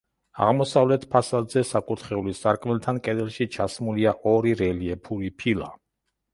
აღმოსავლეთ ფასადზე, საკურთხევლის სარკმელთან, კედელში ჩასმულია ორი რელიეფური ფილა.